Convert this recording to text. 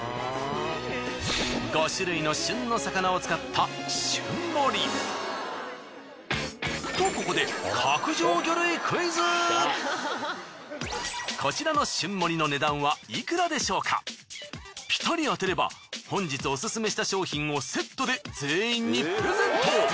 ５種類の旬の魚を使った旬盛り。とここでこちらのピタリ当てれば本日オススメした商品をセットで全員にプレゼント！